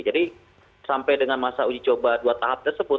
jadi sampai dengan masa uji coba dua tahap tersebut